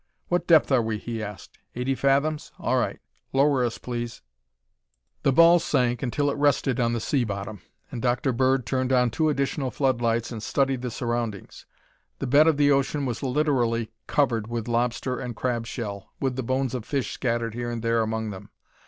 "What depth are we?" he asked. "Eighty fathoms? All right, lower us, please." The ball sank until it rested on the sea bottom, and Dr. Bird turned on two additional floodlights and studied the surroundings. The bed of the ocean was literally covered with lobster and crab shell, with the bones of fish scattered here and there among them.